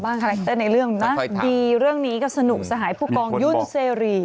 คาแรคเตอร์ในเรื่องนะดีเรื่องนี้ก็สนุกสหายผู้กองยุ่นเสรี